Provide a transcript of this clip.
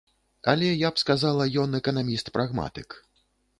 Але я б сказала, ён эканаміст-прагматык.